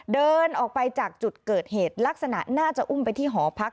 เดินออกไปจากจุดเกิดเหตุลักษณะน่าจะอุ้มไปที่หอพัก